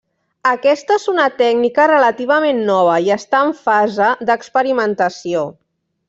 Aquesta és una tècnica relativament nova i està en fase d'experimentació.